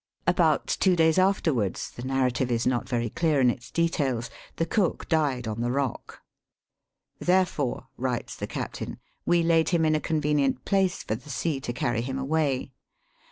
About two (l;i.vs afterwards — the narrative is not very clear in its details — the cook died on the rock. "Therefore," writes the captain, '• we laid him in a convenient place for the sea to carry him away.